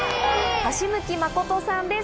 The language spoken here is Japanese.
橋向真さんです。